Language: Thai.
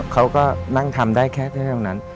เขาก็นั่งทำได้แค่ตรงนั้น